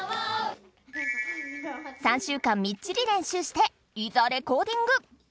３週間みっちり練習していざレコーディング！